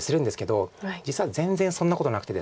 実は全然そんなことなくてですね。